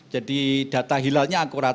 jadi data hilalnya akurat